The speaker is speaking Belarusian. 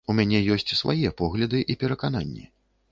У мяне ёсць свае погляды і перакананні.